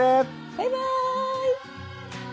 バイバーイ！